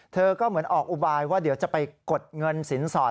เธอก็เหมือนออกอุบายว่าเดี๋ยวจะไปกดเงินสินสอด